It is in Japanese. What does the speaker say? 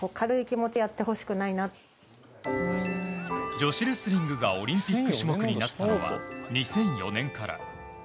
女子レスリングがオリンピック種目になったのは２００４年から。